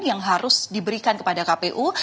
yang harus diberikan kepada kpu